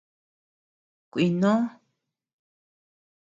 Kuenó.